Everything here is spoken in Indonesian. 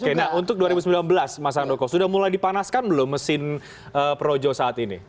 oke nah untuk dua ribu sembilan belas mas andoko sudah mulai dipanaskan belum mesin projo saat ini